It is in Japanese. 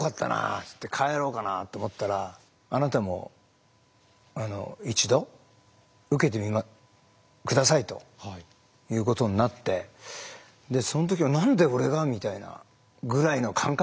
っつって帰ろうかなと思ったら「あなたも一度受けて下さい」ということになってその時は「何で俺が」みたいなぐらいの感覚でしたね。